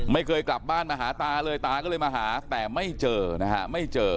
ไม่เคยกลับบ้านมาหาตาเลยตาก็เลยมาหาแต่ไม่เจอนะฮะไม่เจอ